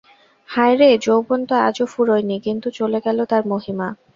হায় রে, যৌবন তো আজও ফুরোয় নি কিন্তু চলে গেল তার মহিমা।